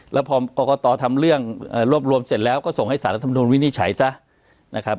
แล้วพอกรกตทำเรื่องรวบรวมเสร็จแล้วก็ส่งให้สารรัฐมนุนวินิจฉัยซะนะครับ